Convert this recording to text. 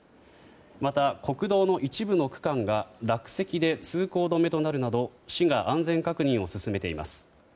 また、国道の一部の区間が落石で通行止めとなるなど市が安全確認を進めています。